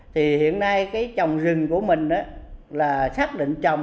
thì hiện nay cái trồng rừng của mình là xác định trồng